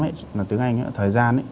là từ tiếng anh thời gian